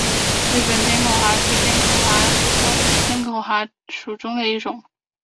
日本偏口蛤是偏口蛤科偏口蛤属的一种。